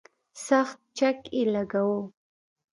سخت چک یې لګاوه.